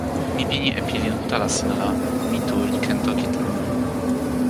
mi pini e pilin utala sina la mi tu li ken toki tan ni.